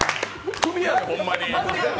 クビやろ、ホンマに。